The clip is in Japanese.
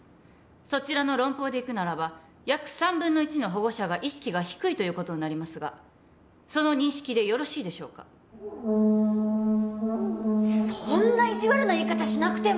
そちらの論法でいくならば約３分の１の保護者が意識が低いということになりますがその認識でよろしいでしょうかそんな意地悪な言い方しなくても！